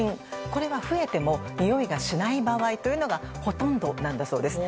これは増えてもにおいがしない場合というのがほとんどなんだそうです。